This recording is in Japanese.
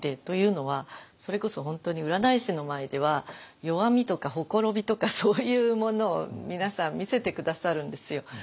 というのはそれこそ本当に占い師の前では弱みとか綻びとかそういうものを皆さん見せて下さるんですよ。